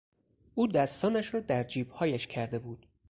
او دستانش را در جیبهایش کرده بود.